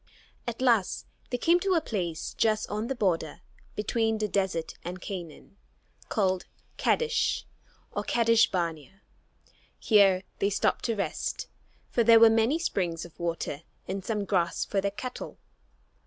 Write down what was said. At last they came to a place just on the border between the desert and Canaan, called Kadesh, or Kadesh barnea. Here they stopped to rest, for there were many springs of water and some grass for their cattle.